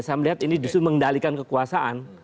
saya melihat ini justru mengendalikan kekuasaan